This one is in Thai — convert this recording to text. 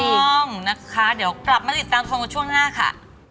ถูกต้องนะคะเดี๋ยวกลับมาติดตามชมกันช่วงหน้าค่ะ